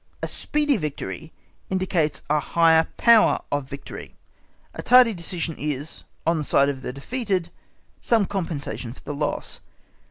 A speedy victory indicates a higher power of victory, a tardy decision is, on the side of the defeated, some compensation for the loss.